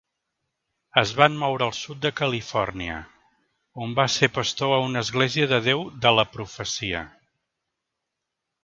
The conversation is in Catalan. Es van moure al sud de Califòrnia, on va ser pastor a una Església de Déu de la Profecia.